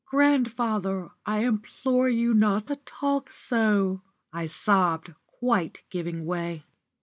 "Grandfather, I implore you not to talk so," I sobbed, quite giving way.